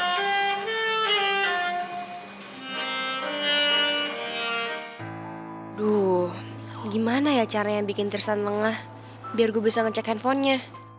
aduh gimana ya caranya bikin terseneng lah biar gue bisa ngecek handphonenya